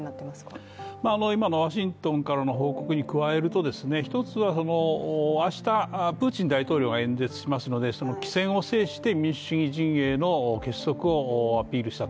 今のワシントンからの報告ですと一つは明日、プーチン大統領が演説しますので、その機先を制して民主主義陣営の結束をアピールしたと。